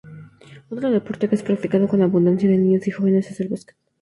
Otro deporte que es practicado con abundancia de niños y jóvenes es el basquet.